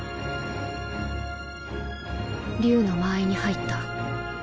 竜の間合いに入った。